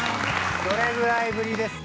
どれぐらいぶりですか？